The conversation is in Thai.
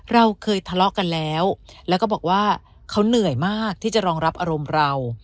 เราเคยทะเลาะกันแล้วแล้วก็บอกว่าเขาเหนื่อยมากที่จะรองรับอารมณ์เรา